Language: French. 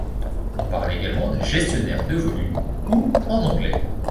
On parle également de gestionnaire de volumes ou en anglais.